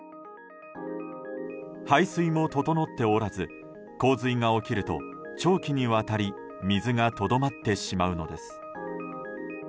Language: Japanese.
排水も整っておらず洪水が起きると長期にわたり水がとどまってしまうのです。